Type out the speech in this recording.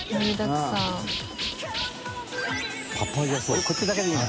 俺こっちだけでいいな。